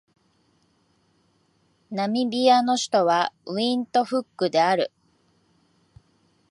ナミビアの首都はウィントフックである